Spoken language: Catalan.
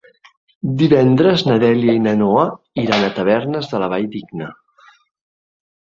Divendres na Dèlia i na Noa iran a Tavernes de la Valldigna.